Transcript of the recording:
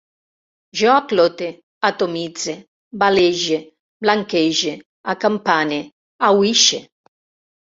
Jo aclote, atomitze, balege, blanquege, acampane, ahuixe